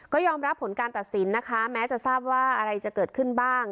ก็ยอมรับผลการตัดสินนะคะแม้จะทราบว่าอะไรจะเกิดขึ้นบ้าง